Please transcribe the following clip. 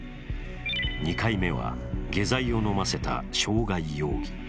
２回目は下剤を飲ませた傷害容疑。